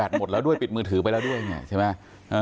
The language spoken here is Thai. แบบหมดแล้วด้วยปิดมือถือไปแล้วด้วยใช่ไหม